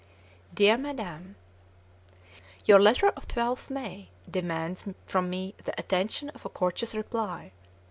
DEAR MADAM: Your letter of 12th May demands from me the attention of a courteous reply.